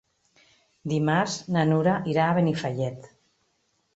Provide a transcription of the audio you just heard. Dimarts na Nura irà a Benifallet.